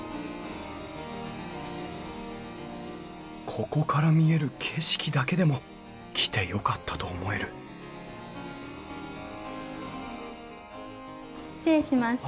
ここから見える景色だけでも来てよかったと思える失礼します。